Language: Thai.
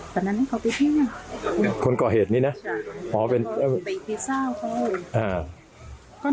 คนจันราดนี้คือพี่ฉ่ายใช่มั้ย